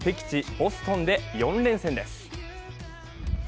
ボストンで４連戦です。